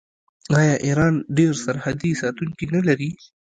آیا ایران ډیر سرحدي ساتونکي نلري؟